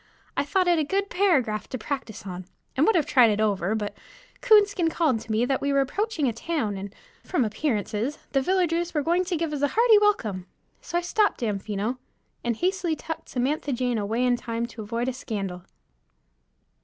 I thought it a good paragraph to practice on, and would have tried it over, but Coonskin called to me that we were approaching town and, from appearances, the villagers were going to give us a hearty welcome. So I stopped Damfino, and hastily tucked Samantha Jane away in time to avoid a scandal.